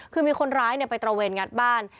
คือมีคนร้ายไปตระเวนงัดบ้าน